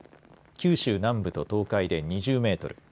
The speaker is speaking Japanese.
九州南部と東海で２０メートル